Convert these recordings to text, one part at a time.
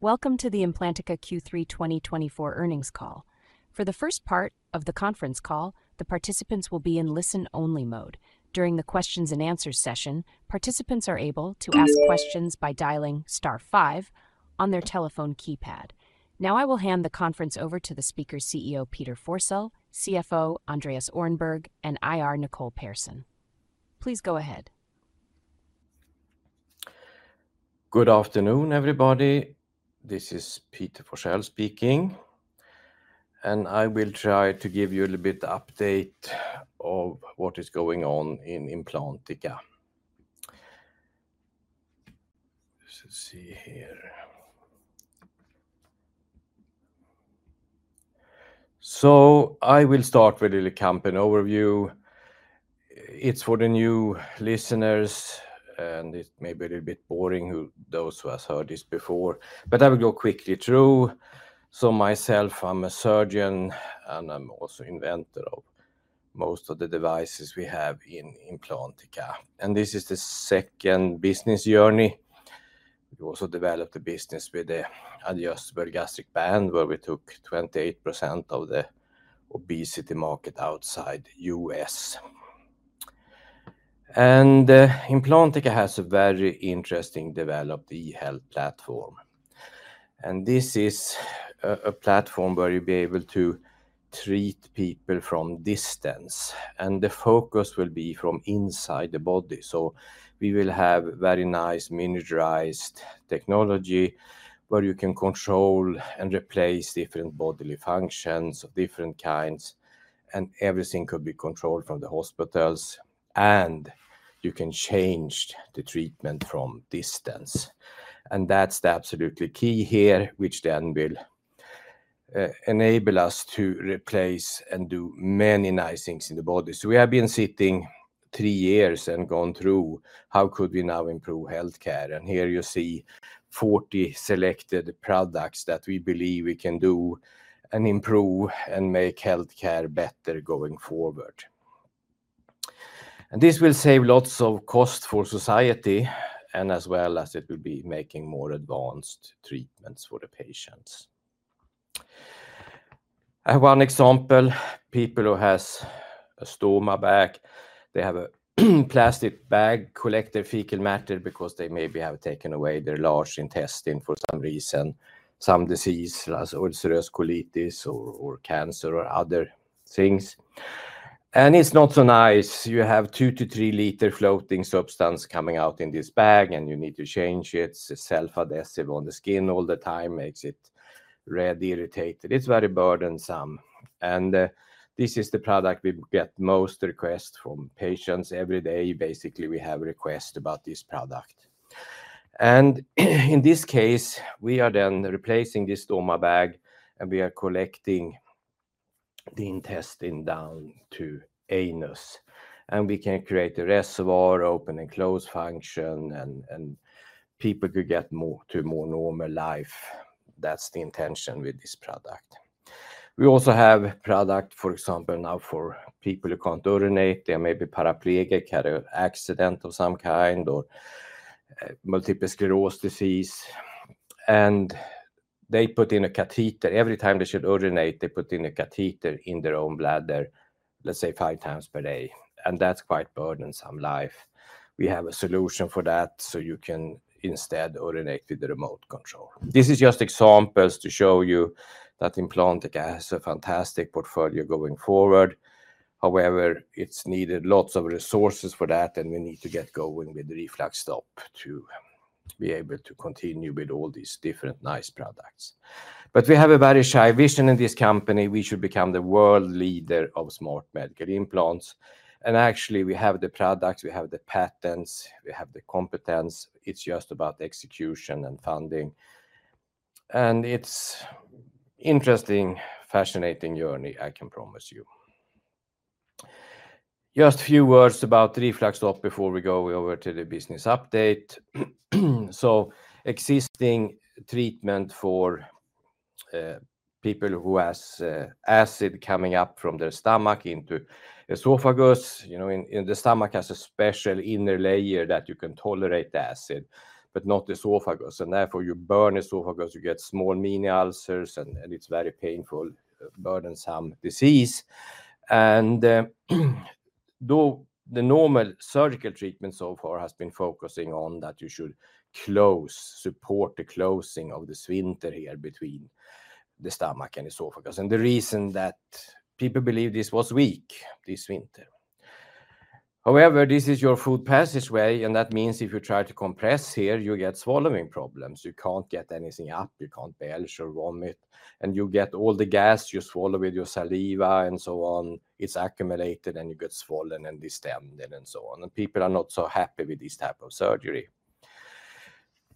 Welcome to the Implantica Q3 2024 earnings call. For the first part of the conference call, the participants will be in listen-only mode. During the questions-and-answers session, participants are able to ask questions by dialing star five on their telephone keypad. Now I will hand the conference over to the speakers: CEO Peter Forsell, CFO Andreas Öhrnberg, and IR Nicole Pehrsson. Please go ahead. Good afternoon, everybody. This is Peter Forsell speaking, and I will try to give you a little bit of an update of what is going on in Implantica. Let's see here. So I will start with a little company overview. It's for the new listeners, and it may be a little bit boring for those who have heard this before, but I will go quickly through. So myself, I'm a surgeon, and I'm also the inventor of most of the devices we have in Implantica. And this is the second business journey. We also developed a business with the adjustable gastric band, where we took 28% of the obesity market outside the U.S. And Implantica has a very interesting developed e-health platform. And this is a platform where you'll be able to treat people from a distance, and the focus will be from inside the body. So we will have very nice miniaturized technology where you can control and replace different bodily functions of different kinds, and everything could be controlled from the hospitals, and you can change the treatment from a distance. And that's absolutely key here, which then will enable us to replace and do many nice things in the body. So we have been sitting three years and gone through how could we now improve healthcare. And here you see 40 selected products that we believe we can do and improve and make healthcare better going forward. And this will save lots of costs for society, and as well as it will be making more advanced treatments for the patients. I have one example: people who have a stoma bag, they have a plastic bag collecting fecal matter because they maybe have taken away their large intestine for some reason, some disease like ulcerative colitis or cancer or other things. And it's not so nice. You have a 2-3 L floating substance coming out in this bag, and you need to change it. It's self-adhesive on the skin all the time, makes it red, irritated. It's very burdensome. And this is the product we get the most requests from patients every day. Basically, we have requests about this product. And in this case, we are then replacing this stoma bag, and we are collecting the intestine down to the anus. And we can create a reservoir, open and close function, and people could get to more normal life. That's the intention with this product. We also have a product, for example, now for people who can't urinate. They may be paraplegic, had an accident of some kind, or multiple sclerosis disease. And they put in a catheter. Every time they should urinate, they put in a catheter in their own bladder, let's say five times per day. And that's quite burdensome life. We have a solution for that, so you can instead urinate with the remote control. This is just examples to show you that Implantica has a fantastic portfolio going forward. However, it's needed lots of resources for that, and we need to get going with the RefluxStop to be able to continue with all these different nice products. But we have a very high vision in this company. We should become the world leader of smart medical implants. Actually, we have the products, we have the patents, we have the competence. It's just about execution and funding. And it's an interesting, fascinating journey, I can promise you. Just a few words about RefluxStop before we go over to the business update. So existing treatment for people who have acid coming up from their stomach into the esophagus, you know, in the stomach has a special inner layer that you can tolerate the acid, but not the esophagus. And therefore, you burn the esophagus, you get small mini ulcers, and it's a very painful, burdensome disease. And though the normal surgical treatment so far has been focusing on that you should close, support the closing of the sphincter here between the stomach and esophagus. And the reason that people believe this was weak, this sphincter. However, this is your food passageway, and that means if you try to compress here, you get swallowing problems. You can't get anything up, you can't belch or vomit, and you get all the gas you swallow with your saliva and so on. It's accumulated, and you get swollen and distended and so on. And people are not so happy with this type of surgery.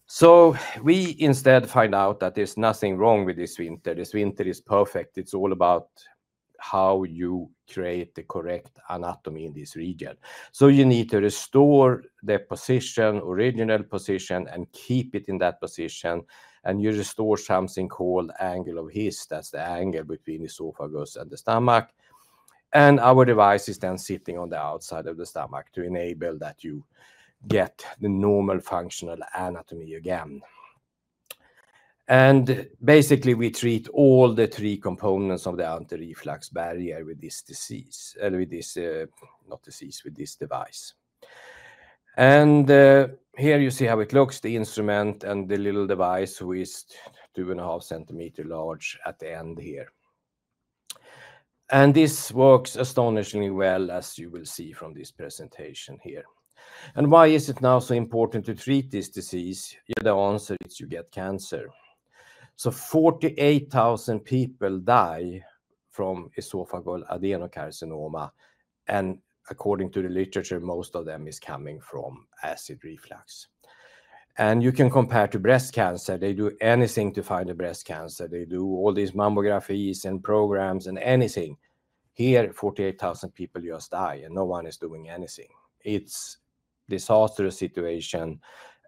So we instead find out that there's nothing wrong with the sphincter. The sphincter is perfect. It's all about how you create the correct anatomy in this region. So you need to restore the position, original position, and keep it in that position. And you restore something called Angle of His. That's the angle between the esophagus and the stomach. And our device is then sitting on the outside of the stomach to enable that you get the normal functional anatomy again. And basically, we treat all the three components of the anti-reflux barrier with this disease, not disease, with this device. And here you see how it looks, the instrument and the little device with 2.5 cm large at the end here. And this works astonishingly well, as you will see from this presentation here. And why is it now so important to treat this disease? The answer is you get cancer. So 48,000 people die from esophageal adenocarcinoma. And according to the literature, most of them are coming from acid reflux. And you can compare to breast cancer. They do anything to find a breast cancer. They do all these mammographies and programs and anything. Here, 48,000 people just die, and no one is doing anything. It's a disastrous situation,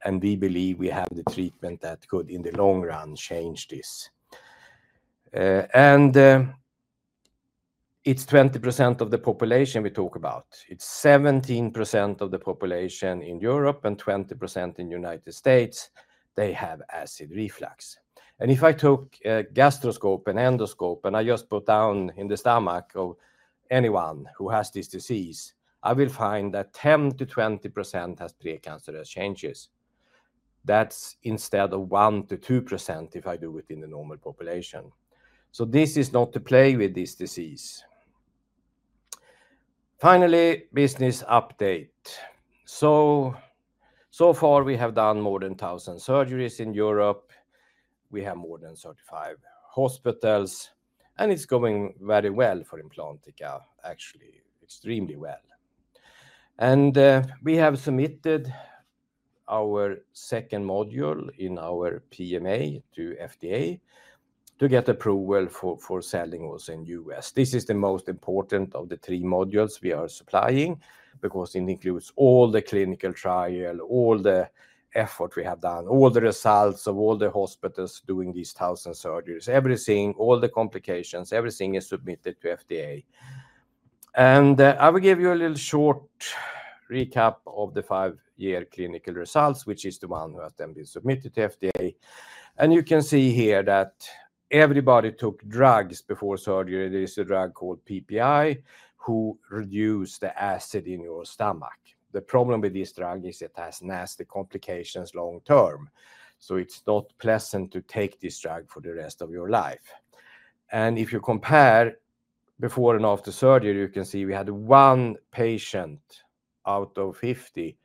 and we believe we have the treatment that could, in the long run, change this. And it's 20% of the population we talk about. It's 17% of the population in Europe and 20% in the United States. They have acid reflux. And if I took a gastroscope and endoscope, and I just put down in the stomach of anyone who has this disease, I will find that 10%-20% has precancerous changes. That's instead of 1%-2% if I do it in the normal population. So this is not to play with this disease. Finally, business update. So far we have done more than 1,000 surgeries in Europe. We have more than 35 hospitals, and it's going very well for Implantica, actually extremely well. And we have submitted our second module in our PMA to FDA to get approval for selling also in the U.S. This is the most important of the three modules we are supplying because it includes all the clinical trial, all the effort we have done, all the results of all the hospitals doing these 1,000 surgeries, everything, all the complications, everything is submitted to FDA. And I will give you a little short recap of the five-year clinical results, which is the one that has been submitted to FDA. And you can see here that everybody took drugs before surgery. There is a drug called PPI who reduces the acid in your stomach. The problem with this drug is it has nasty complications long term. So it's not pleasant to take this drug for the rest of your life. And if you compare before and after surgery, you can see we had one patient out of 50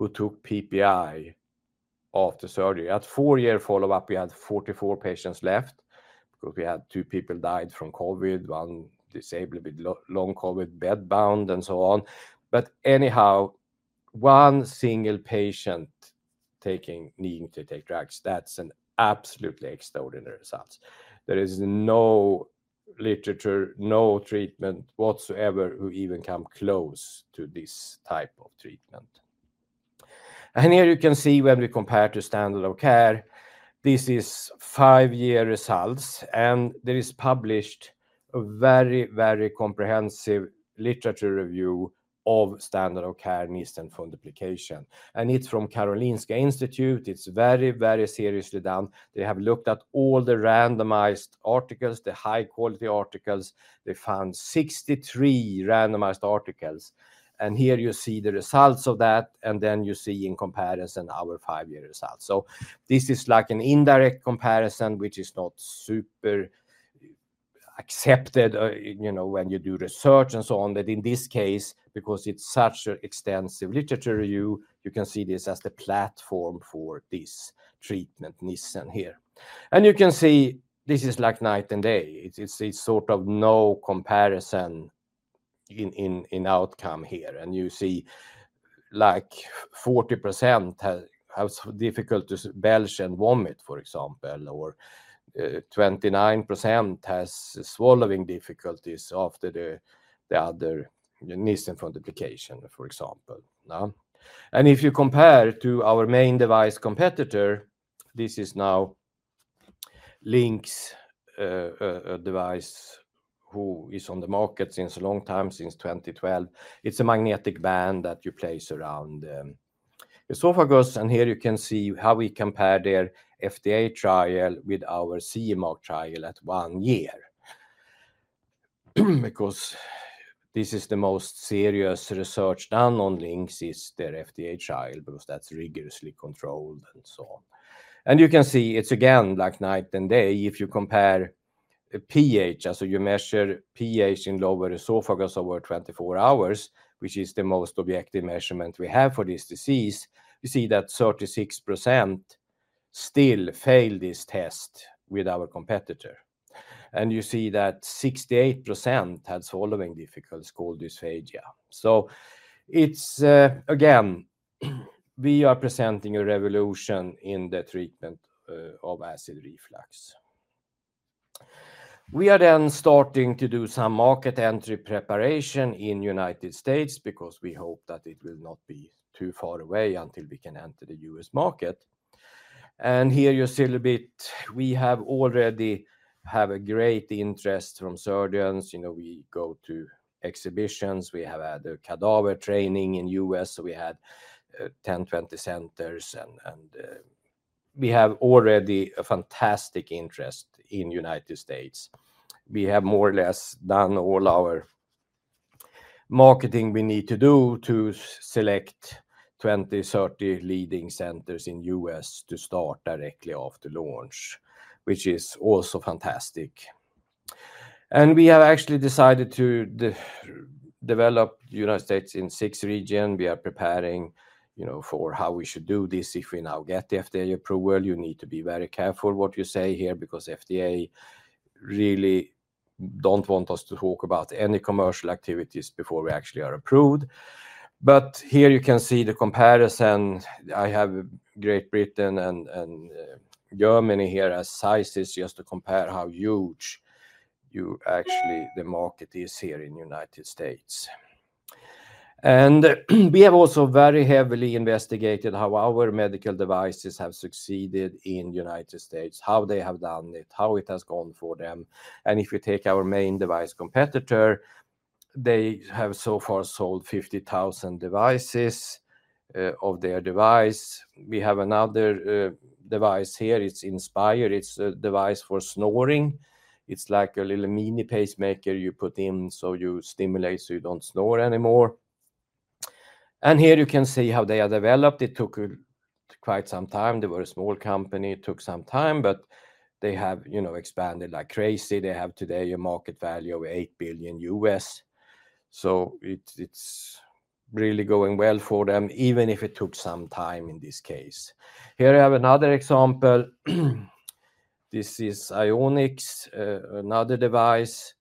who took PPI after surgery. At four-year follow-up, we had 44 patients left because we had two people died from COVID, one disabled with long COVID, bedbound, and so on. But anyhow, one single patient needing to take drugs, that's an absolutely extraordinary result. There is no literature, no treatment whatsoever who even comes close to this type of treatment, and here you can see when we compare to standard of care, this is five-year results, and there is published a very, very comprehensive literature review of standard of care Nissen fundoplication, and it's from Karolinska Institute. It's very, very seriously done. They have looked at all the randomized articles, the high-quality articles. They found 63 randomized articles, and here you see the results of that, and then you see in comparison our five-year results. This is like an indirect comparison, which is not super accepted, you know, when you do research and so on. But in this case, because it's such an extensive literature review, you can see this as the platform for this treatment Nissen here. You can see this is like night and day. It's sort of no comparison in outcome here. You see like 40% have difficulties belch and vomit, for example, or 29% have swallowing difficulties after the other Nissen fundoplication, for example. If you compare to our main device competitor, this is now LINX device who is on the market since a long time, since 2012. It's a magnetic band that you place around the esophagus. Here you can see how we compare their FDA trial with our CE mark trial at one year. Because this is the most serious research done on LINX's is their FDA trial because that's rigorously controlled and so on, and you can see it's again like night and day. If you compare pH, so you measure pH in lower esophagus over 24 hours, which is the most objective measurement we have for this disease, you see that 36% still failed this test with our competitor, and you see that 68% had swallowing difficulties called dysphagia, so it's again, we are presenting a revolution in the treatment of acid reflux. We are then starting to do some market entry preparation in the United States because we hope that it will not be too far away until we can enter the U.S. market, and here you see a little bit, we already have a great interest from surgeons. You know, we go to exhibitions. We have had a cadaver training in the U.S. So we had 10-20 centers, and we have already a fantastic interest in the United States. We have more or less done all our marketing we need to do to select 20-30 leading centers in the U.S. to start directly after launch, which is also fantastic. And we have actually decided to develop the United States in six regions. We are preparing, you know, for how we should do this. If we now get the FDA approval, you need to be very careful what you say here because FDA really doesn't want us to talk about any commercial activities before we actually are approved. But here you can see the comparison. I have Great Britain and Germany here as sizes just to compare how huge actually the market is here in the United States. We have also very heavily investigated how our medical devices have succeeded in the United States, how they have done it, how it has gone for them. If you take our main device competitor, they have so far sold 50,000 devices of their device. We have another device here. It's Inspire. It's a device for snoring. It's like a little mini pacemaker you put in so you stimulate so you don't snore anymore. Here you can see how they are developed. It took quite some time. They were a small company. It took some time, but they have, you know, expanded like crazy. They have today a market value of $8 billion. So it's really going well for them, even if it took some time in this case. Here I have another example. This is Axonics, another device.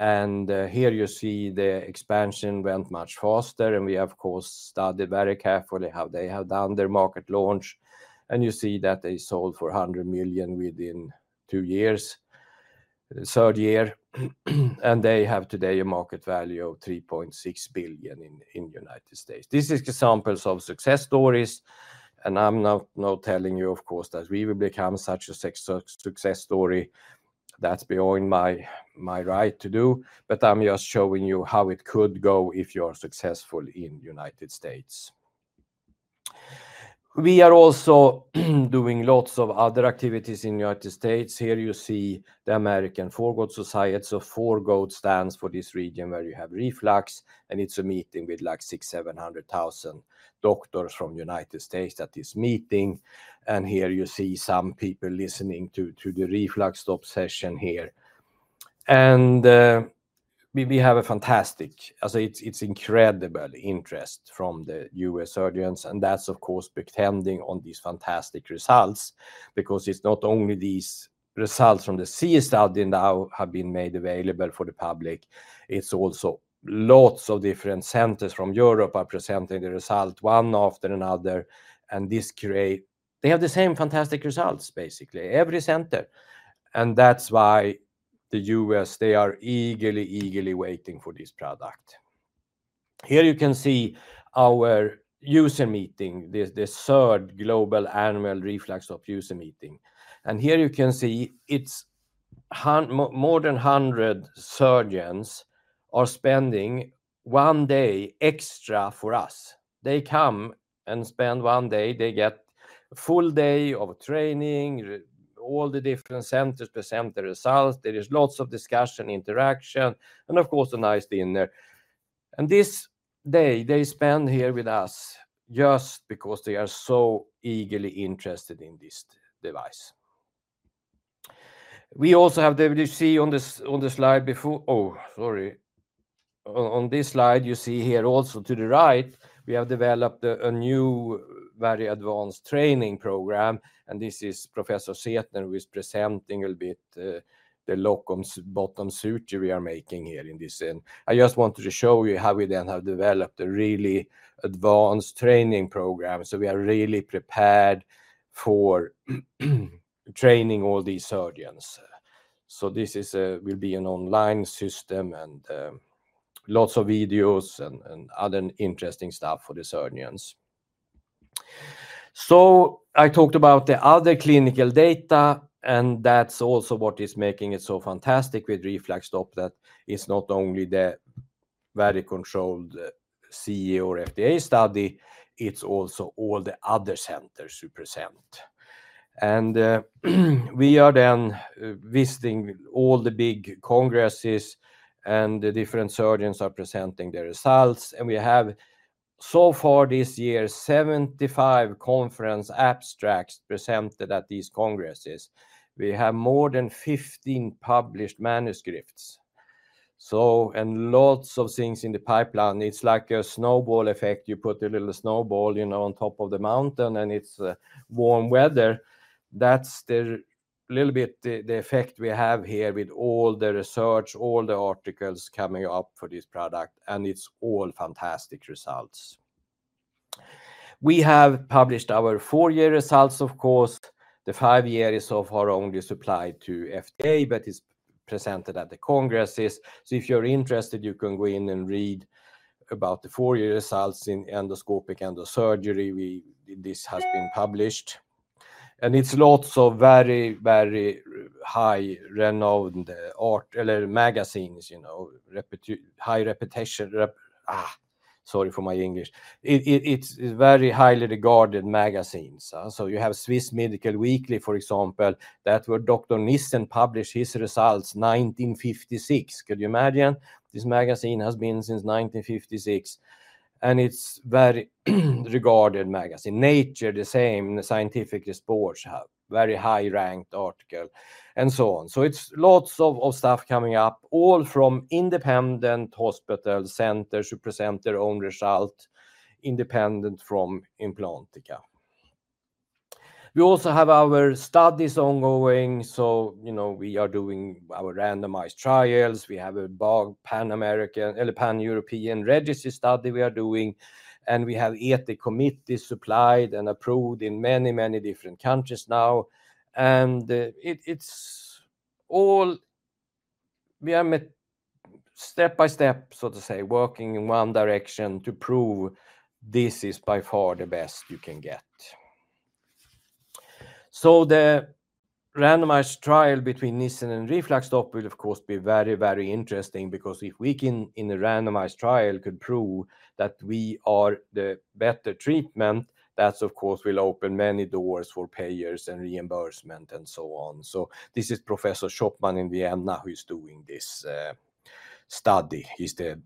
Here you see the expansion went much faster. We, of course, studied very carefully how they have done their market launch. You see that they sold for $100 million within two years, third year. They have today a market value of $3.6 billion in the United States. This is examples of success stories. I'm not telling you, of course, that we will become such a success story. That's beyond my right to do. I'm just showing you how it could go if you are successful in the United States. We are also doing lots of other activities in the United States. Here you see the American Foregut Society. So Foregut stands for this region where you have reflux. It's a meeting with like 6,000-700,000 doctors from the United States at this meeting. Here you see some people listening to the RefluxStop session here. We have a fantastic, I say it's incredible interest from the U.S. surgeons. And that's, of course, depending on these fantastic results because it's not only these results from the SMW now have been made available for the public. It's also lots of different centers from Europe are presenting the result one after another. And this creates, they have the same fantastic results basically, every center. And that's why the U.S., they are eagerly, eagerly waiting for this product. Here you can see our user meeting, the third global annual RefluxStop user meeting. And here you can see it's more than 100 surgeons are spending one day extra for us. They come and spend one day. They get a full day of training, all the different centers present the results. There is lots of discussion, interaction, and of course a nice dinner. This day they spend here with us just because they are so eagerly interested in this device. We also have, you see on this slide here also to the right, we have developed a new very advanced training program. This is Professor Zehetner who is presenting a little bit the robotic surgery we are making here in this scene. I just wanted to show you how we then have developed a really advanced training program. We are really prepared for training all these surgeons. This will be an online system and lots of videos and other interesting stuff for the surgeons. So I talked about the other clinical data, and that's also what is making it so fantastic with RefluxStop that it's not only the very controlled CE or FDA study, it's also all the other centers who present, and we are then visiting all the big congresses, and the different surgeons are presenting their results, and we have so far this year, 75 conference abstracts presented at these congresses. We have more than 15 published manuscripts, so and lots of things in the pipeline. It's like a snowball effect. You put a little snowball, you know, on top of the mountain, and it's warm weather. That's the little bit the effect we have here with all the research, all the articles coming up for this product, and it's all fantastic results. We have published our four-year results, of course. The five-year is so far only supplied to FDA, but it's presented at the congresses. So if you're interested, you can go in and read about the four-year results in Surgical Endoscopy. This has been published, and it's lots of very, very highly renowned articles or magazines, you know, high reputation. Sorry for my English. It's very highly regarded magazines. So you have Swiss Medical Weekly, for example, that's where Dr. Nissen published his results in 1956. Could you imagine? This magazine has been since 1956, and it's a very regarded magazine. Nature, the same. The Scientific Reports have a very high-ranked article and so on. So it's lots of stuff coming up, all from independent hospital centers who present their own results, independent from Implantica. We also have our studies ongoing, so, you know, we are doing our randomized trials. We have a Pan-American or Pan-European registry study we are doing. We have ethics committees submitted and approved in many, many different countries now. It's all, we are step by step, so to say, working in one direction to prove this is by far the best you can get. The randomized trial between Nissen and RefluxStop will, of course, be very, very interesting because if we can, in a randomized trial, prove that we are the better treatment, that's, of course, going to open many doors for payers and reimbursement and so on. This is Professor Schoppmann in Vienna who is doing this study. He's the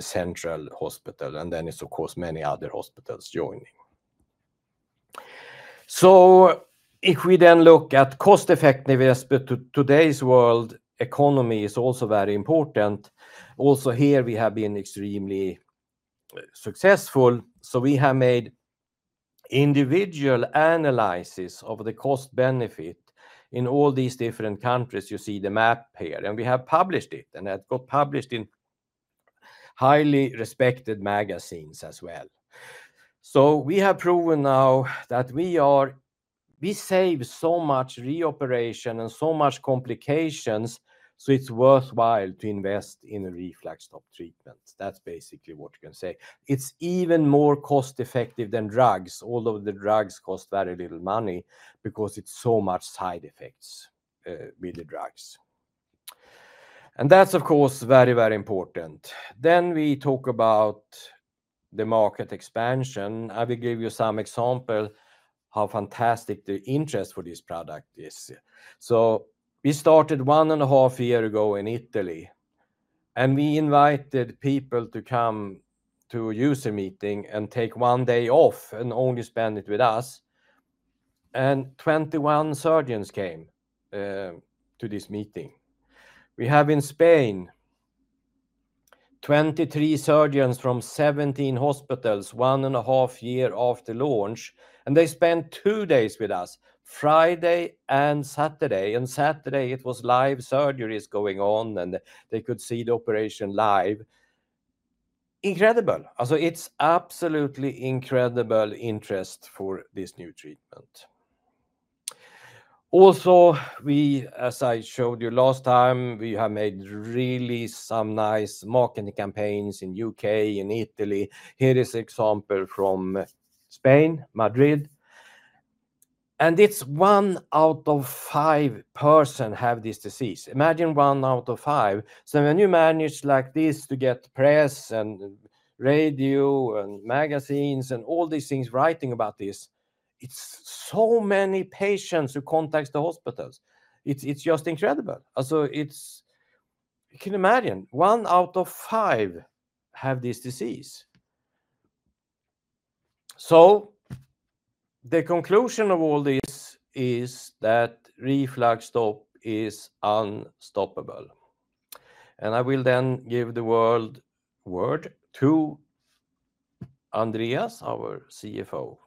central hospital. Then it's, of course, many other hospitals joining. If we then look at cost effectiveness, today's world economy is also very important. Also here, we have been extremely successful. So we have made individual analysis of the cost benefit in all these different countries. You see the map here. And we have published it. And it got published in highly respected magazines as well. So we have proven now that we save so much reoperation and so much complications. So it's worthwhile to invest in a RefluxStop treatment. That's basically what you can say. It's even more cost-effective than drugs. Although the drugs cost very little money because it's so much side effects with the drugs. And that's, of course, very, very important. Then we talk about the market expansion. I will give you some example how fantastic the interest for this product is. So we started one and a half years ago in Italy. And we invited people to come to a user meeting and take one day off and only spend it with us. 21 surgeons came to this meeting. We have in Spain 23 surgeons from 17 hospitals, one and a half years after launch. They spent two days with us, Friday and Saturday. Saturday, it was live surgeries going on. They could see the operation live. Incredible. It's absolutely incredible interest for this new treatment. Also, we, as I showed you last time, we have made really some nice marketing campaigns in the UK and Italy. Here is an example from Spain, Madrid. It's one out of five persons who have this disease. Imagine one out of five. When you manage like this to get press and radio and magazines and all these things writing about this, it's so many patients who contact the hospitals. It's just incredible. You can imagine one out of five have this disease. The conclusion of all this is that RefluxStop is unstoppable. I will then give the floor to Andreas, our CFO.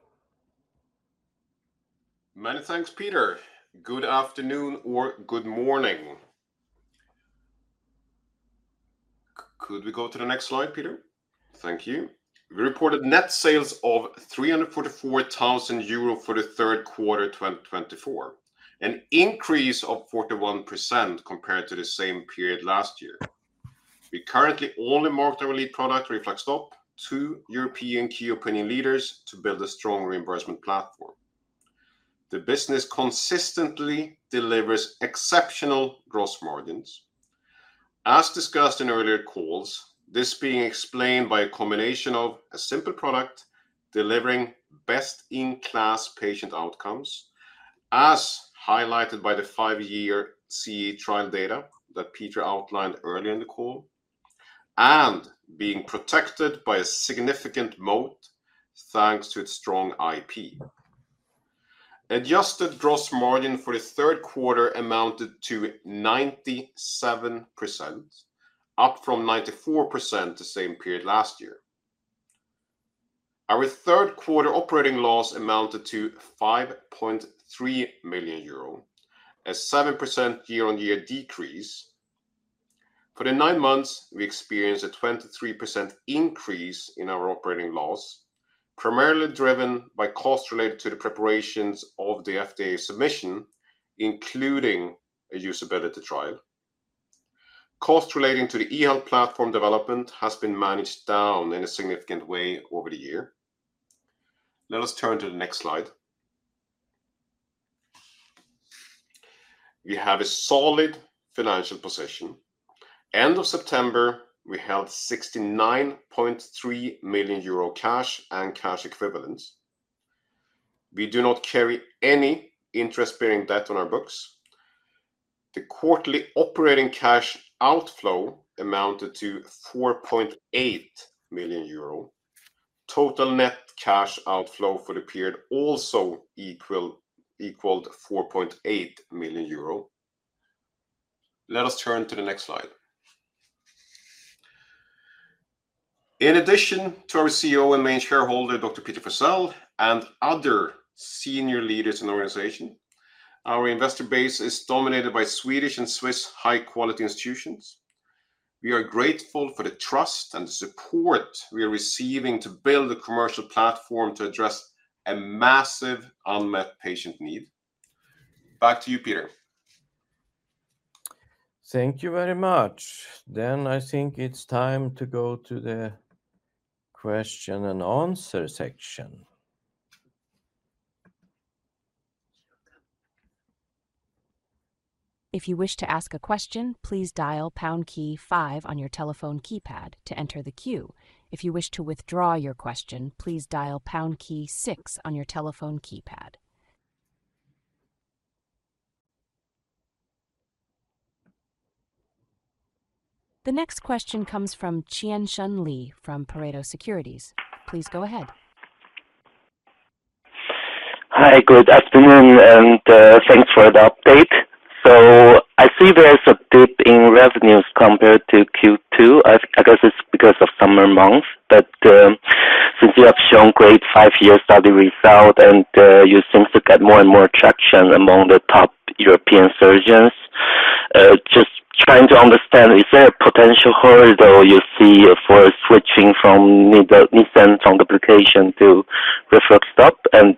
Many thanks, Peter. Good afternoon or good morning. Could we go to the next slide, Peter? Thank you. We reported net sales of 344,000 euro for the Q3 2024, an increase of 41% compared to the same period last year. We currently only market our lead product, RefluxStop, to European key opinion leaders to build a strong reimbursement platform. The business consistently delivers exceptional gross margins. As discussed in earlier calls, this being explained by a combination of a simple product delivering best-in-class patient outcomes, as highlighted by the five-year CE trial data that Peter outlined earlier in the call, and being protected by a significant moat thanks to its strong IP. Adjusted Gross Margin for the Q3 amounted to 97%, up from 94% the same period last year. Our Q3 operating loss amounted to 5.3 million euro, a 7% year-on-year decrease. For the nine months, we experienced a 23% increase in our operating loss, primarily driven by costs related to the preparations of the FDA submission, including a usability trial. Costs relating to the e-health platform development have been managed down in a significant way over the year. Let us turn to the next slide. We have a solid financial position. End of September, we held 69.3 million euro cash and cash equivalents. We do not carry any interest-bearing debt on our books. The quarterly operating cash outflow amounted to 4.8 million euro. Total net cash outflow for the period also equaled 4.8 million euro. Let us turn to the next slide. In addition to our CEO and main shareholder, Dr. Peter Forsell, and other senior leaders in the organization, our investor base is dominated by Swedish and Swiss high-quality institutions. We are grateful for the trust and the support we are receiving to build a commercial platform to address a massive unmet patient need. Back to you, Peter. Thank you very much. Then I think it's time to go to the question and answer section. If you wish to ask a question, please dial pound key five on your telephone keypad to enter the queue. If you wish to withdraw your question, please dial pound key six on your telephone keypad. The next question comes from Qianshen Li from Pareto Securities. Please go ahead. Hi, good afternoon, and thanks for the update. So I see there's a dip in revenues compared to Q2. I guess it's because of summer months. But since you have shown great five-year study results and you seem to get more and more traction among the top European surgeons, just trying to understand, is there a potential hurdle you see for switching from Nissen fundoplication to RefluxStop? And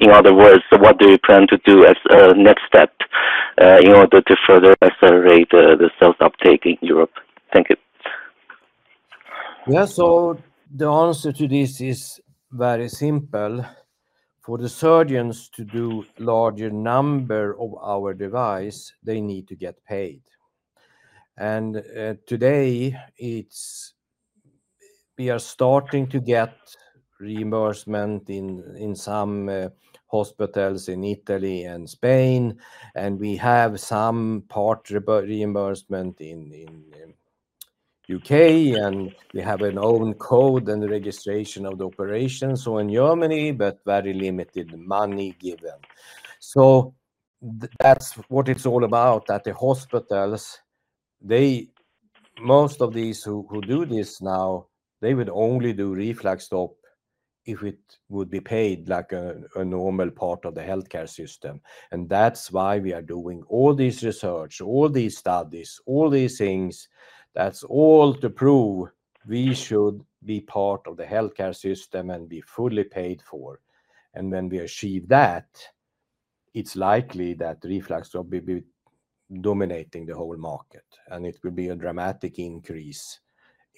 in other words, what do you plan to do as a next step in order to further accelerate the sales uptake in Europe? Thank you. Yeah, so the answer to this is very simple. For the surgeons to do a larger number of our devices, they need to get paid. And today, we are starting to get reimbursement in some hospitals in Italy and Spain. And we have some part reimbursement in the U.K., and we have an own code and registration of the operation. So in Germany, but very limited money given. So that's what it's all about, that the hospitals, most of these who do this now, they would only do RefluxStop if it would be paid like a normal part of the healthcare system. And that's why we are doing all this research, all these studies, all these things. That's all to prove we should be part of the healthcare system and be fully paid for. And when we achieve that, it's likely that RefluxStop will be dominating the whole market, and it will be a dramatic increase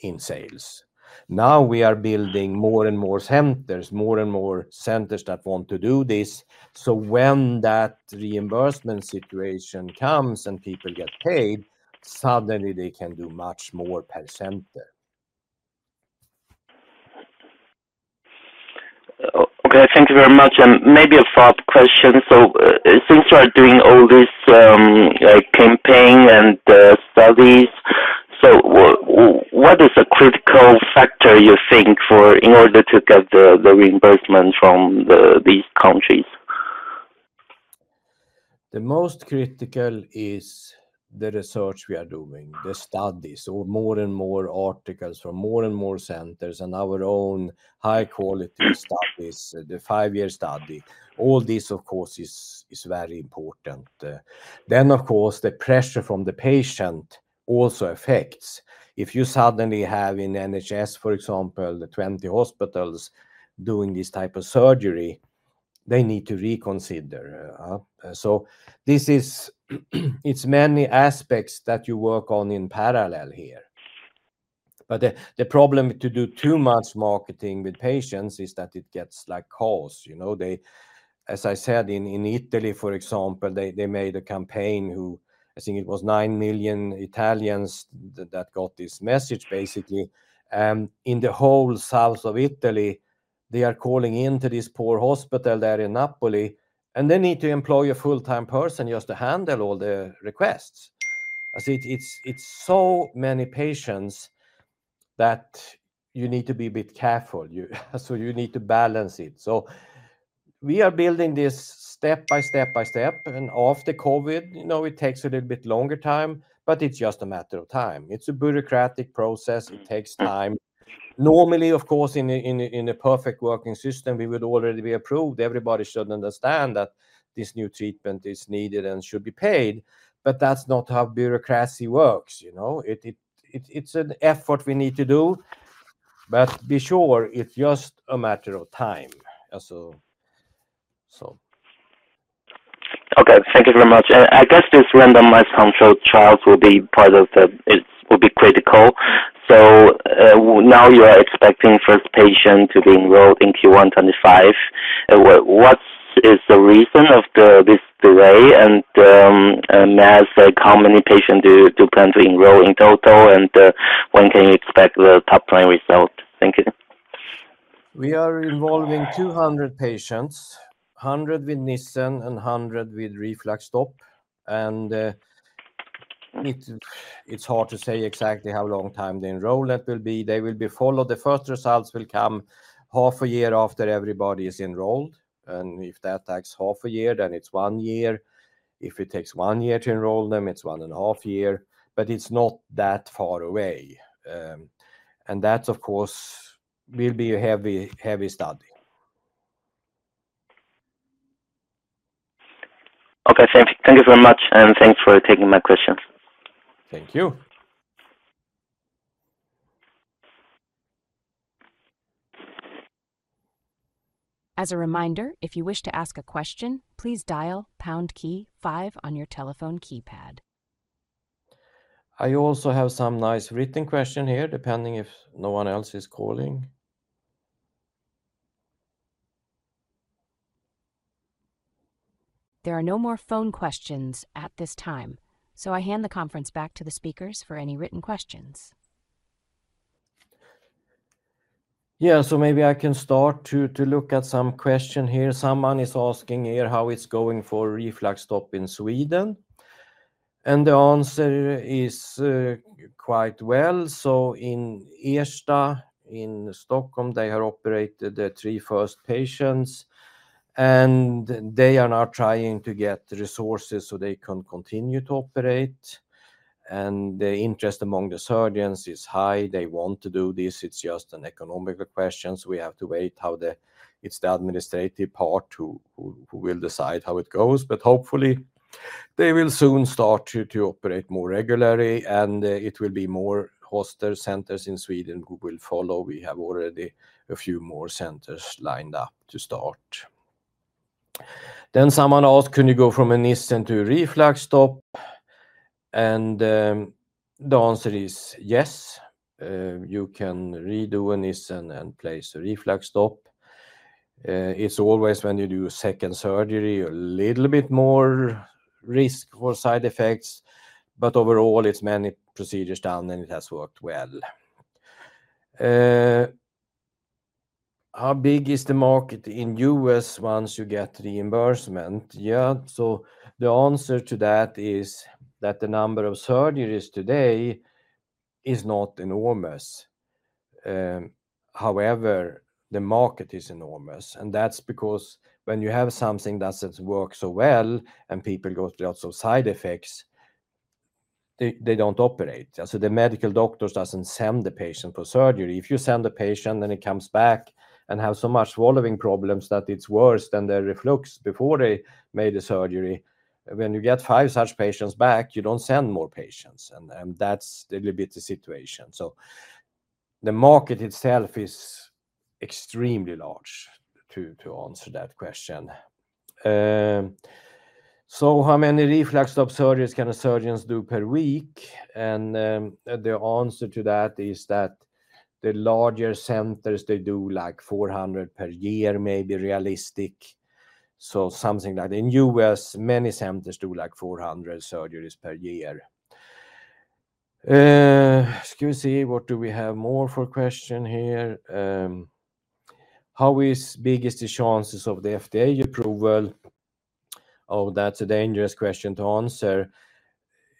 in sales. Now we are building more and more centers, more and more centers that want to do this. So when that reimbursement situation comes and people get paid, suddenly they can do much more per center. Okay, thank you very much. And maybe a follow-up question. So since you are doing all this campaign and studies, so what is a critical factor, you think, in order to get the reimbursement from these countries? The most critical is the research we are doing, the studies, or more and more articles from more and more centers and our own high-quality studies, the five-year study. All this, of course, is very important. Then, of course, the pressure from the patient also affects. If you suddenly have in NHS, for example, 20 hospitals doing this type of surgery, they need to reconsider. So it's many aspects that you work on in parallel here. But the problem to do too much marketing with patients is that it gets like calls. As I said, in Italy, for example, they made a campaign who, I think it was nine million Italians that got this message, basically. In the whole south of Italy, they are calling into this poor hospital there in Naples, and they need to employ a full-time person just to handle all the requests. I see it's so many patients that you need to be a bit careful. You need to balance it. We are building this step by step by step. After COVID, it takes a little bit longer time, but it's just a matter of time. It's a bureaucratic process. It takes time. Normally, of course, in a perfect working system, we would already be approved. Everybody should understand that this new treatment is needed and should be paid. That's not how bureaucracy works. It's an effort we need to do. Be sure, it's just a matter of time. Okay, thank you very much. I guess this randomized controlled trial will be part of it. It will be critical. So now you are expecting first patient to be enrolled in Q125. What is the reason of this delay? And may I say how many patients do you plan to enroll in total? And when can you expect the top line result? Thank you. We are involving 200 patients, 100 with Nissen and 100 with RefluxStop. And it's hard to say exactly how long time the enrollment will be. They will be followed. The first results will come half a year after everybody is enrolled. And if that takes half a year, then it's one year. If it takes one year to enroll them, it's one and a half year. But it's not that far away. And that, of course, will be a heavy study. Okay, thank you very much. Thanks for taking my questions. Thank you. As a reminder, if you wish to ask a question, please dial pound key five on your telephone keypad. I also have some nice written question here, depending if no one else is calling. There are no more phone questions at this time. So I hand the conference back to the speakers for any written questions. Yeah, so maybe I can start to look at some questions here. Someone is asking here how it's going for RefluxStop in Sweden. And the answer is quite well. So in Ersta in Stockholm, they have operated the three first patients. And they are now trying to get resources so they can continue to operate. And the interest among the surgeons is high. They want to do this. It's just an economical question. So we have to wait how it's the administrative part who will decide how it goes. But hopefully, they will soon start to operate more regularly. And it will be more hospital centers in Sweden who will follow. We have already a few more centers lined up to start. Then someone asked, can you go from a Nissen to RefluxStop? And the answer is yes. You can redo a Nissen and place a RefluxStop. It's always when you do second surgery, a little bit more risk for side effects. But overall, it's many procedures done, and it has worked well. How big is the market in the U.S. once you get reimbursement? Yeah, so the answer to that is that the number of surgeries today is not enormous. However, the market is enormous. That's because when you have something that works so well and people go through lots of side effects, they don't operate. So the medical doctors don't send the patient for surgery. If you send a patient and he comes back and has so much following problems that it's worse than the reflux before they made the surgery, when you get five such patients back, you don't send more patients. And that's a little bit the situation. So the market itself is extremely large to answer that question. So how many RefluxStop surgeries can surgeons do per week? And the answer to that is that the larger centers, they do like 400 per year, maybe realistic. So something like in the U.S., many centers do like 400 surgeries per year. Excuse me, what do we have more for question here? How big is the chances of the FDA approval? Oh, that's a dangerous question to answer.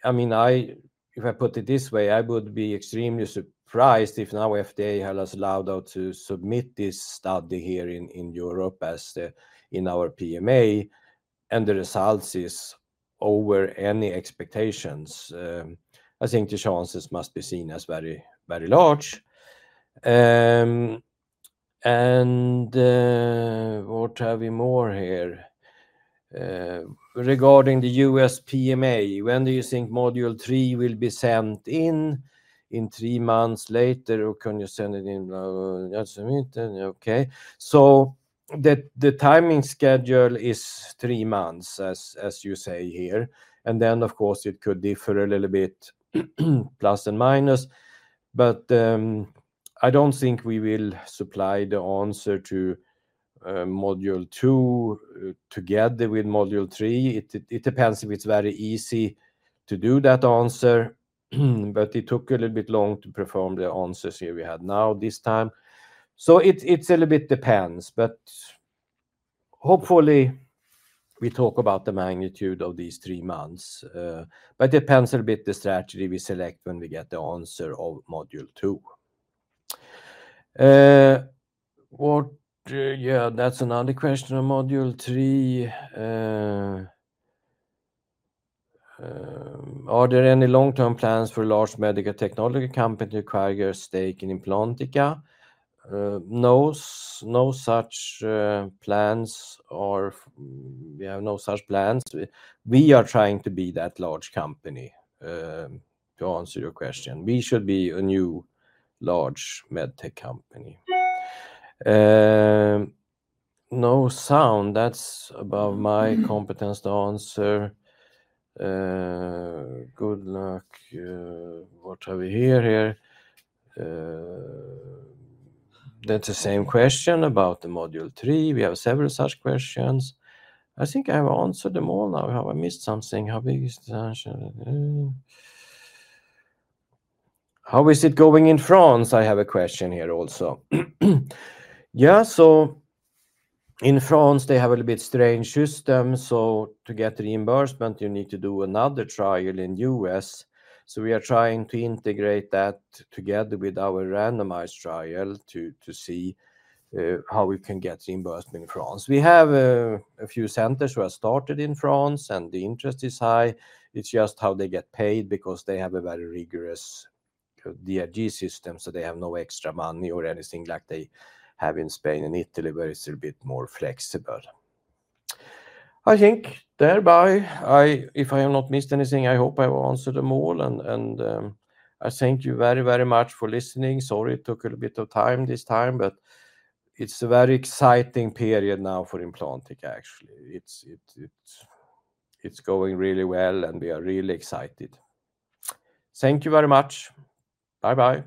I mean, if I put it this way, I would be extremely surprised if the FDA has not allowed us to submit this study here in Europe as in our PMA. And the results are over any expectations. I think the chances must be seen as very large. And what have we more here? Regarding the U.S. PMA, when do you think module three will be sent in? In three months later or can you send it in? Okay. So the timing schedule is three months, as you say here. And then, of course, it could differ a little bit, plus and minus. But I don't think we will supply the answer to module two together with module three. It depends if it's very easy to do that answer. But it took a little bit long to perform the answers here we had now this time. So it's a little bit depends. But hopefully, we talk about the magnitude of these three months. But it depends a little bit the strategy we select when we get the answer of module two. Yeah, that's another question of module three. Are there any long-term plans for large medical technology company to carry your stake in Implantica? No such plans or we have no such plans. We are trying to be that large company to answer your question. We should be a new large med tech company. No sound. That's above my competence to answer. Good luck. What have we here? That's the same question about the module three. We have several such questions. I think I have answered them all. Now, have I missed something? How is it going in France? I have a question here also. Yeah, so in France, they have a little bit strange system. So to get reimbursement, you need to do another trial in the U.S. So we are trying to integrate that together with our randomized trial to see how we can get reimbursement in France. We have a few centers who are started in France, and the interest is high. It's just how they get paid because they have a very rigorous DRG system. So they have no extra money or anything like they have in Spain and Italy, where it's a little bit more flexible. I think thereby, if I have not missed anything, I hope I have answered them all, and I thank you very, very much for listening. Sorry, it took a little bit of time this time, but it's a very exciting period now for Implantica, actually. It's going really well, and we are really excited. Thank you very much. Bye-bye.